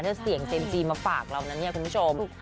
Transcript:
ถ้าเสียงเซ็มจีมาฝากเรานะเนี่ยคุณผู้ชม